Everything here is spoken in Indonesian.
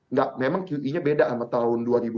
enggak memang qi nya beda sama tahun dua ribu dua puluh